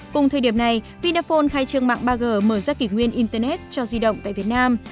cùng thời điểm này vinaphone khai trương mạng ba g mở ra kỷ nguyên internet cho di động tại việt nam